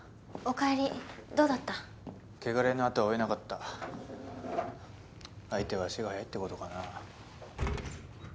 おかえりどうだった？穢れの跡は追えなかった相手は足が速いってことかな